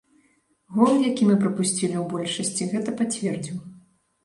Гол, які мы прапусцілі ў большасці, гэта пацвердзіў.